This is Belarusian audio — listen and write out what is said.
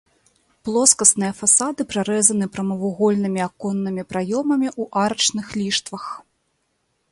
Плоскасныя фасады прарэзаны прамавугольнымі аконнымі праёмамі ў арачных ліштвах.